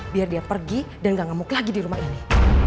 biar dia pergi dan gak ngemuk lagi di rumah ini